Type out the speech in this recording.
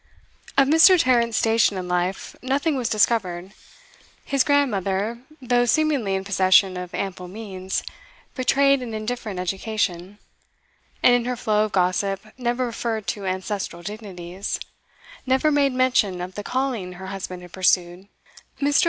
Of Mr. Tarrant's station in life nothing was discovered. His grandmother, though seemingly in possession of ample means, betrayed an indifferent education, and in her flow of gossip never referred to ancestral dignities, never made mention of the calling her husband had pursued. Mr.